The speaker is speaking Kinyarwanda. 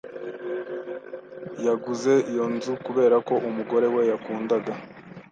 Yaguze iyo nzu kubera ko umugore we yakundaga.